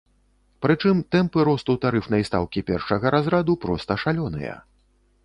Прычым тэмпы росту тарыфнай стаўкі першага разраду проста шалёныя.